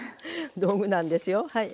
道具なんですよはい。